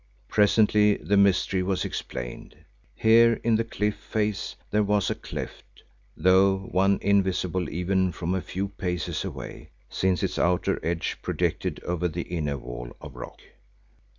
Presently the mystery was explained. Here in the cliff face there was a cleft, though one invisible even from a few paces away, since its outer edge projected over the inner wall of rock.